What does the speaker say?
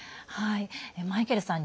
マイケルさん